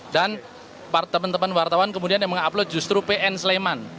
dan teman teman wartawan kemudian yang mengupload justru pn sleman